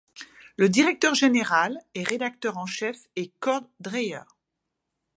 Le directeur général et rédacteur en chef est Cord Dreyer.